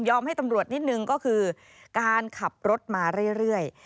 ให้ตำรวจนิดนึงก็คือการขับรถมาเรื่อย